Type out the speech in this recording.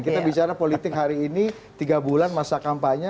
kita bicara politik hari ini tiga bulan masa kampanye